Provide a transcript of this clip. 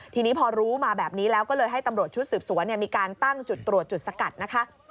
ทีนี้พอรู้มาแบบนี้แล้วก็เลยให้ตำรวจชุดสืบสวนมีการตั้งจุดตรวจจุดสกัดนะคะ